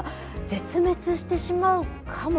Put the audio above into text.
絶滅してしまうかも。